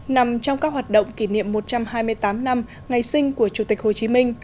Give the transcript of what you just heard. nằm trong các hoạt động kỷ niệm một trăm hai mươi tám năm ngày sinh của chủ tịch hồ chí minh